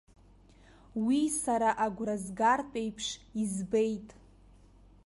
Уи сара агәра згартә еиԥш избеит!